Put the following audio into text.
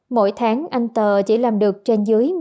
mỗi tháng anh tờ chỉ làm được trên dưới một mươi ngày